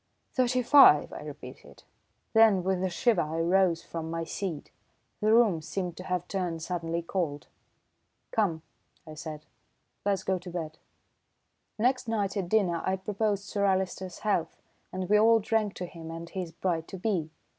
"Thirty five!" I repeated. Then with a shiver I rose from my seat. The room seemed to have turned suddenly cold. "Come," I said, "let's go to bed." Next night at dinner I proposed Sir Alister's health, and we all drank to him and his "bride to be."